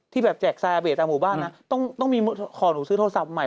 แบบแจกซาเบสตามหมู่บ้านนะต้องมีขอหนูซื้อโทรศัพท์ใหม่